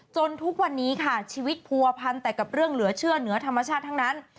ทุกวันนี้ค่ะชีวิตผัวพันแต่กับเรื่องเหลือเชื่อเหนือธรรมชาติทั้งนั้น